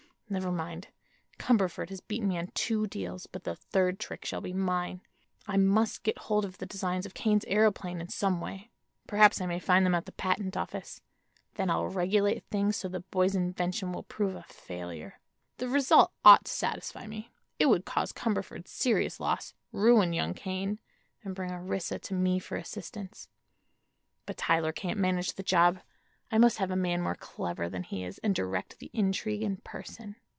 Never mind. Cumberford has beaten me on two deals, but the third trick shall be mine. I must get hold of the designs of Kane's aëroplane in some way; perhaps I may find them at the patent office. Then I'll regulate things so the boy's invention will prove a failure. The result ought to satisfy me: it would cause Cumberford serious loss, ruin young Kane, and—bring Orissa to me for assistance. But Tyler can't manage the job; I must have a man more clever than he is, and direct the intrigue in person."